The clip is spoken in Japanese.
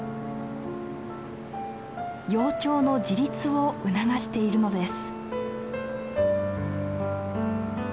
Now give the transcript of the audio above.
幼鳥の自立を促しているのです。